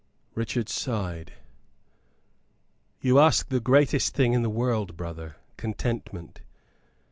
Richard sighed. "You ask the greatest thing in the world, brother contentment.